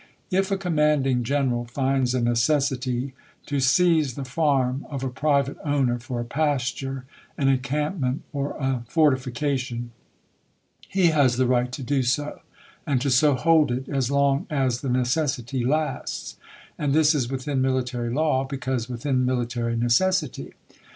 If a commanding general finds a necessity to seize the farm of a private owner, for a pasture, an encampment, or a fortification, he has the right to do so, and to so hold it, as long as the necessity lasts ; and this is within military law, because within military necessity.